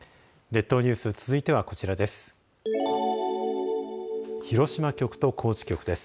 列島ニュース、続いてはこちらです。